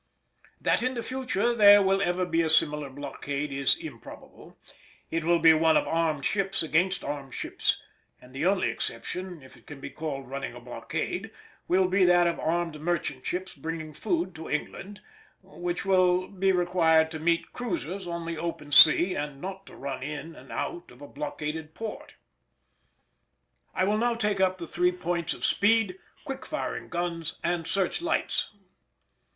That in the future there will ever be a similar blockade is improbable; it will be one of armed ships against armed ships, and the only exception, if it can be called running a blockade, will be that of armed merchant ships bringing food to England, which will be required to meet cruisers on the open sea, and not to run in and out of a blockaded port. I will now take up the three points of speed, quick firing guns, and search lights.